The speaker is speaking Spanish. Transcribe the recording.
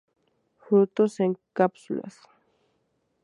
Frutos en cápsulas.